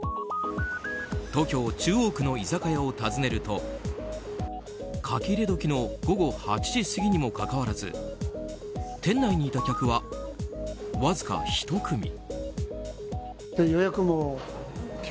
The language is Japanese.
東京・中央区の居酒屋を訪ねると書き入れ時の午後８時過ぎにもかかわらず店内にいた客は、わずか１組。